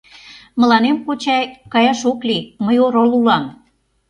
Мыланем, кочай, каяш ок лий: мый орол улам.